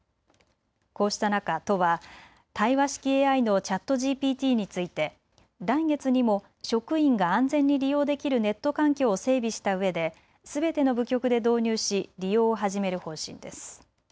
こうした中、都は対話式ＡＩのＣｈａｔＧＰＴについて来月にも職員が安全に利用できるネット環境を整備したうえですべての部局で導入し利用を始める方針です。